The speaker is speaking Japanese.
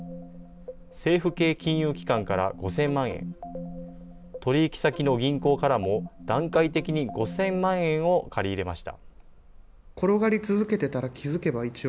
政府系金融機関から５０００万円、取り引き先の銀行からも段階的に５０００万円を借り入れました。